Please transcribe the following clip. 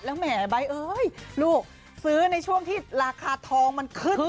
แล้วแหมใบเอ้ยลูกซื้อในช่วงที่ราคาทองมันขึ้น